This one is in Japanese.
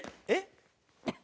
えっ？